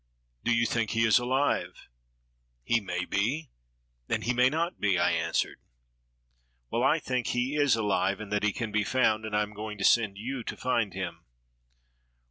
"Do you think he is alive?" "He may be and he may not be!" I answered. "Well, I think he is alive, and that he can be found, and I am going to send you to find him."